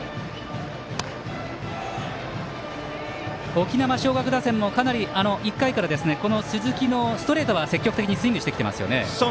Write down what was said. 沖縄尚学打線もかなり１回から鈴木のストレートは積極的にスイングしてきてますよね。